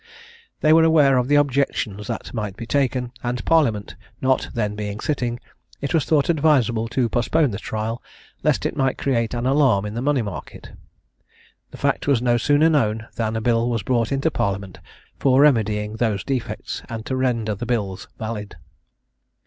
They were aware of the objections that might be taken, and Parliament not then being sitting, it was thought advisable to postpone the trial, lest it might create an alarm in the money market. The fact was no sooner known, than a bill was brought into Parliament for remedying those defects, and to render the bills valid.